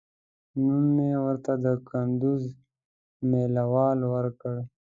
نوم مې ورته د کندوز مېله وال ورکړ.